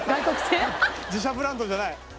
自社ブランドじゃない。